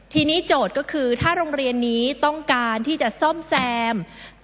ทีนี้โจทย์ก็คือถ้าโรงเรียนนี้ต้องการที่จะซ่อมแซม